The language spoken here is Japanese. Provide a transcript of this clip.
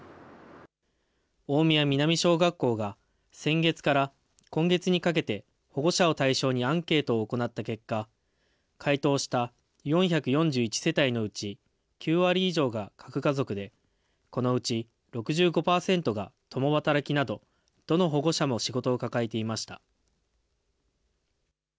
大宮南小学校が先月から今月にかけて、保護者を対象にアンケートを行った結果、回答した４４１世帯のうち、９割以上が核家族で、このうち６５％が共働きなど、どの保護者も仕事を抱えていました。